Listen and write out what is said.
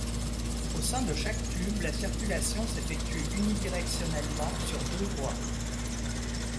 Au sein de chaque tube, la circulation s'effectue unidirectionnellement sur deux voies.